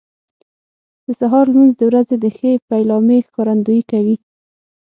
د سهار لمونځ د ورځې د ښې پیلامې ښکارندویي کوي.